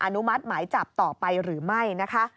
อนุมัติหมายจับต่อไปหรือไม่นะคะ